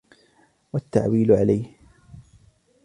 وَالتَّعْوِيلُ عَلَيْهِ